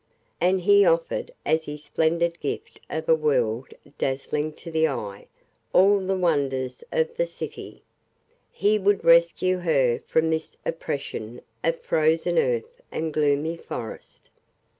And he offered as his splendid gift a world dazzling to the eye, all the wonders of the city. He would rescue her from this oppression of frozen earth and gloomy forest.